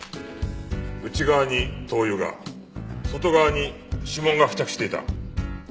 内側に灯油が外側に指紋が付着していた。